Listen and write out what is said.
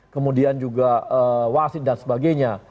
kemudian juga wasit dan sebagainya